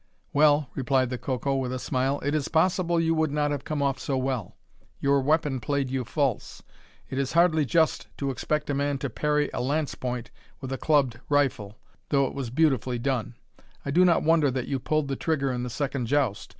"Well," replied the Coco, with a smile, "it is possible you would not have come off so well. Your weapon played you false. It is hardly just to expect a man to parry a lance point with a clubbed rifle, though it was beautifully done. I do not wonder that you pulled trigger in the second joust.